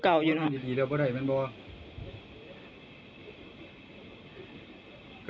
ก็ได้มันบอก